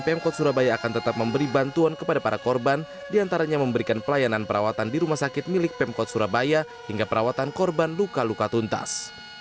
pemkot surabaya akan tetap memberi bantuan kepada para korban diantaranya memberikan pelayanan perawatan di rumah sakit milik pemkot surabaya hingga perawatan korban luka luka tuntas